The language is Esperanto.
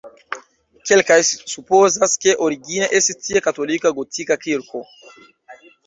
Kelkaj supozas, ke origine estis tie katolika gotika kirko.